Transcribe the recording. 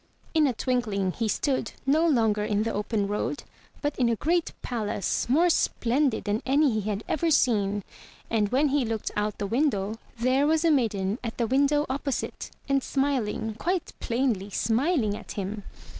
In a twinkUng he stood, no longer in the open road, but in a great palace, more splendid than any he had ever seen; and when he looked out at the window, there was a maiden at the window opposite, and smiling, quite plainly smiling at him.